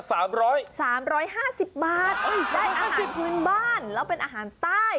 ๓๕๐บาทได้อาหารพื้นบ้านแล้วเป็นอาหารใต้